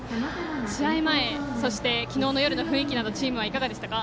試合前、そして昨日の夜の雰囲気などチームはどうでしたか。